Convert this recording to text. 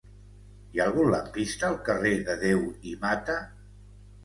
Hi ha algun lampista al carrer de Deu i Mata?